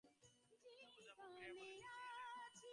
সর্বজয়া মুখ ফিরাইয়া বলিত, ঐ এলেন!